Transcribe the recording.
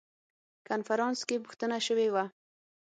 کنفرانس کې پوښتنه شوې وه.